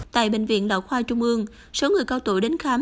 tại bệnh viện đạo khoa trung ương số người cao tuổi đến khám